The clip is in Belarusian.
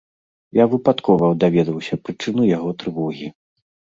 Я выпадкова даведаўся прычыну яго трывогі.